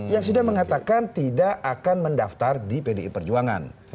yang sudah mengatakan tidak akan mendaftar di pdi perjuangan